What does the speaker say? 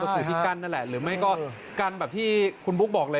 ก็คือที่กั้นนั่นแหละหรือไม่ก็กั้นแบบที่คุณบุ๊คบอกเลย